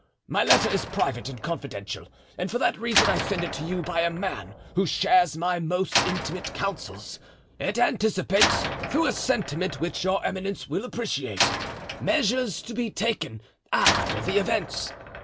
"My letter is private and confidential, and for that reason I send it to you by a man who shares my most intimate counsels. It anticipates, through a sentiment which your eminence will appreciate, measures to be taken after the events.